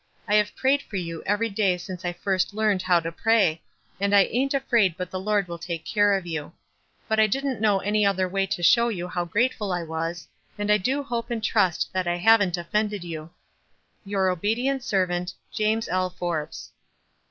I have prayed for you every day since I first learned how to pray, and T ain't afraid but the Lord will take care of you ; but I didn't know any other way to show you how grateful I was, and I do hope and trust that I haven't offended you. "Your obedient servant, "James L. Forbes."